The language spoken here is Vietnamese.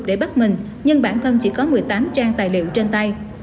để bắt mình nhưng bản thân chỉ có một mươi tám trang tài liệu trên tay